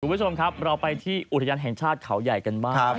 คุณผู้ชมครับเราไปที่อุทยานแห่งชาติเขาใหญ่กันบ้าง